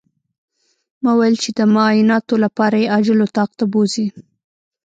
ما ويل چې د معايناتو لپاره يې عاجل اتاق ته بوځئ.